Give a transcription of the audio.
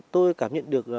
tôi cảm nhận được